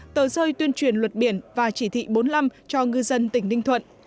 tờ rơi tuyên truyền luật biển và chỉ thị bốn mươi năm cho ngư dân tỉnh ninh thuận